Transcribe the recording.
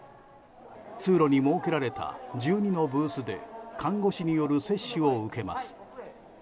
通路に設けられた１２のブースで看護師による接種を受けます。